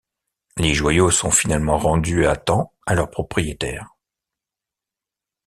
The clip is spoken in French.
Les joyaux sont finalement rendus à temps à leur propriétaire.